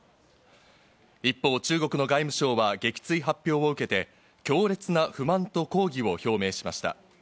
一方、中国の外務省は撃墜発表を受けて、強烈な不満と抗議を表明しました。